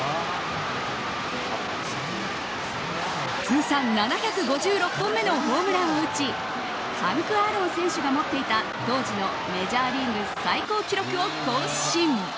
通算７５６本目のホームランを打ちハンク・アーロン選手が持っていた当時のメジャーリーグ最高記録を更新。